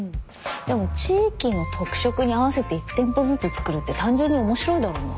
でも地域の特色に合わせて１店舗ずつ造るって単純に面白いだろうな。